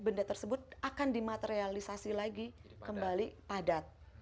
benda tersebut akan dimaterialisasi lagi kembali padat